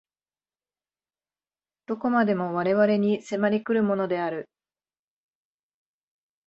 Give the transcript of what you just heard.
何処までも我々に迫り来るものである。